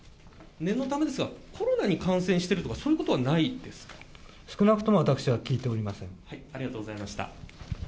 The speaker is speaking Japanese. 念のためですが、コロナに感染してるとか、少なくとも私は聞いておりまありがとうございました。